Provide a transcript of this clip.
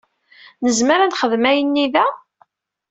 Nezmer ad nexdem ayenni da?